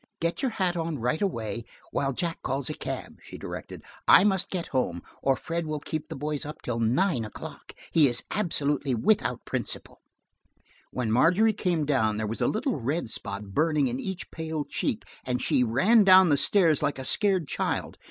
"Get your hat on right away, while Jack calls a cab," she directed. "I must get home, or Fred will keep the boys up until nine o'clock. He is absolutely without principle." When Margery came down there was a little red spot burning in each pale cheek, and she ran down the stairs like a scared child.